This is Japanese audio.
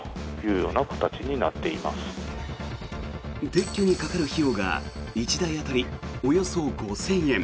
撤去にかかる費用が１台当たりおよそ５０００円。